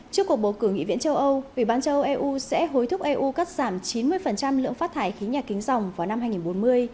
trước cuộc bầu cử nghị viện châu âu ủy ban châu âu eu sẽ hối thúc eu cắt giảm chín mươi lượng phát thải khí nhà kính dòng vào năm hai nghìn bốn mươi